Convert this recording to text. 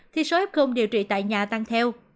thì số f điều trị tại nhà tăng theo